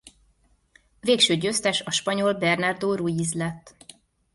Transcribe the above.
Végső győztes a spanyol Bernardo Ruiz lett.